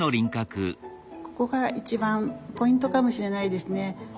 ここが一番ポイントかもしれないですね。